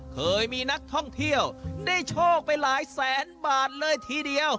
เคยมีนักท่องเที่ยวได้โชคไปหลายแสนบาทเลยทีเดียว